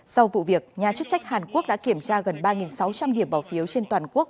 sau vụ việc nhà chức trách hàn quốc đã kiểm tra gần ba sáu trăm linh điểm bỏ phiếu trên toàn quốc